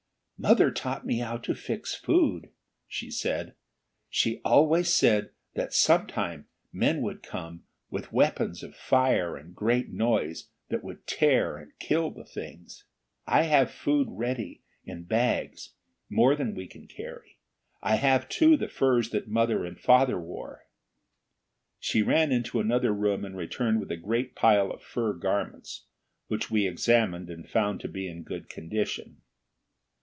"Mother taught me how to fix food," she said. "She always said that sometime men would come, with weapons of fire and great noise that would tear and kill the Things. I have food ready, in bags more than we can carry. I have, too, the furs that mother and father wore." She ran into another room and returned with a great pile of fur garments, which we examined and found to be in good condition.